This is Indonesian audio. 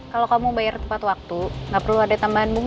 kalau kamu bayar tepat waktu gak perlu ada tambahan bunga